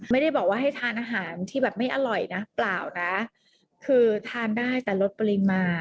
ไม่ได้บอกว่าให้ทานอาหารที่แบบไม่อร่อยนะเปล่านะคือทานได้แต่ลดปริมาณ